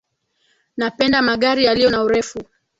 Napenda magari yaliyo na urefu.